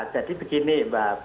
jadi begini mbak